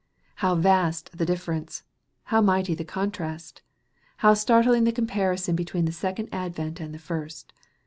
How vast the difference ! How mighty the contrast J How startling the comparison between the second advent and the first